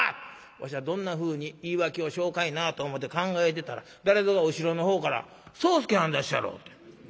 わしはどんなふうに言い訳をしようかいなと思うて考えてたら誰ぞが後ろの方から『宗助はんでっしゃろ』って。